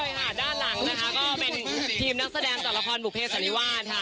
ใช่ค่ะด้านหลังนะคะก็เป็นทีมนักแสดงจากละครบุเภสันนิวาสค่ะ